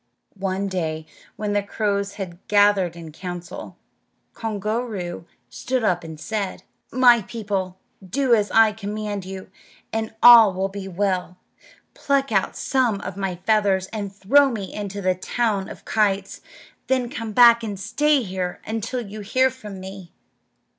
One day, when the crows had gathered in council, Koongooroo stood up and said: "My people, do as I command you, and all will be well. Pluck out some of my feathers and throw me into the town of the kites; then come back and stay here until you hear from me."